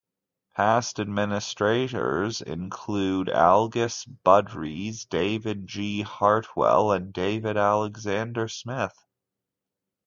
Past administrators include Algis Budrys, David G. Hartwell, and David Alexander Smith.